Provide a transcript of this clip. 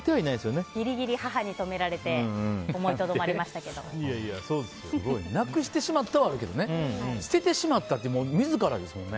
ギリギリ母に止められてなくしてしまったはあるけどね捨ててしまったってもう自らですからね。